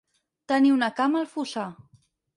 Tenir una cama al fossar.